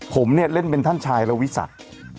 ผมเนี่ยเล่นเป็นท่านชายและวิสัก